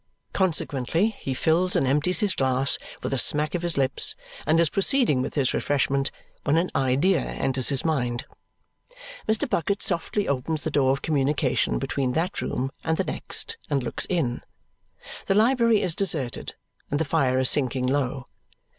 Consequently he fills and empties his glass with a smack of his lips and is proceeding with his refreshment when an idea enters his mind. Mr. Bucket softly opens the door of communication between that room and the next and looks in. The library is deserted, and the fire is sinking low.